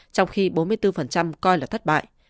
trong khi bốn mươi bốn coi là thất bại